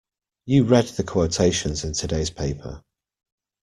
You read the quotations in today's paper.